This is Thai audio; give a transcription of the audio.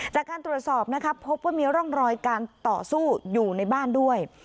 จากการตรวจสอบนะครับพบว่ามีร่องรอยการต่อสู้อยู่ในบ้านด้วย